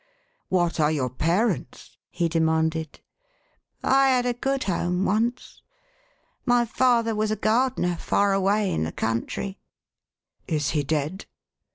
" What are your parents ?" he demanded. " I had a good home once. My father was a gardener, far away, in the country.''1 " Is he dead